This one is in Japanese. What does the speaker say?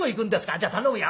「じゃあ頼むよ」。